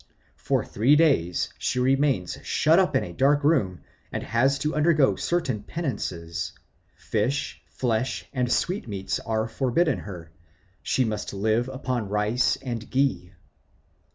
For three days she remains shut up in a dark room, and has to undergo certain penances. Fish, flesh, and sweetmeats are forbidden her; she must live upon rice and ghee.